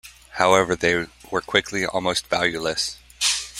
However, they were quickly almost valueless.